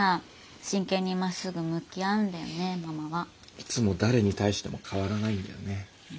いつも誰に対しても変わらないんだよね。